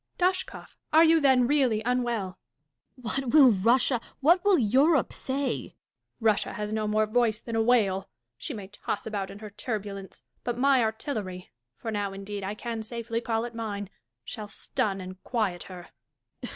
Dashkof, are you, then, really unwell % Dashkof. What will Russia, what will Europe, sayl Catharine. Russia has no more voice than a whale. She may toss about in her turbulence ; but my artilleiy (for now, indeed, I can safely call it mine) shall stun and quiet her.